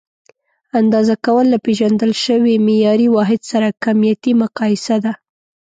اندازه کول له پیژندل شوي معیاري واحد سره کمیتي مقایسه ده.